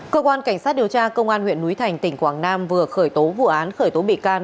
cơ quan cảnh sát điều tra công an huyện núi thành tỉnh quảng nam vừa khởi tố vụ án khởi tố bị can